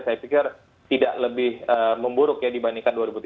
saya pikir tidak lebih memburuk ya dibandingkan dua ribu tujuh belas